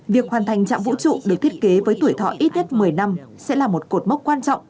việc hoàn thành trạm vũ trụ được thiết kế với tuổi thọ ít nhất một mươi năm sẽ là một cột mốc quan trọng